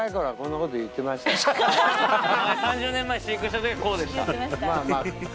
３０年前飼育した時こうでしたまあまあ